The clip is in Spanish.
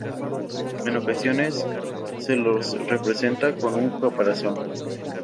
En ocasiones se los representa con un caparazón.